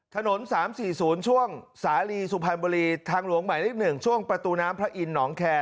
ถนน๓๔๐ช่วงสาลีสุพรรณบุรีทางหลวงหมายเลข๑ช่วงประตูน้ำพระอินทร์หนองแคร์